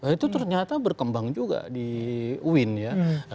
itu ternyata berkembang juga di uin ya